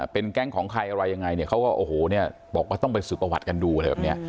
เป็นแก๊งของใครอะไรยังไงเนี่ยเขาก็โอ้โหเนี่ยบอกว่าต้องไปสืบประวัติกันดูอะไรแบบนี้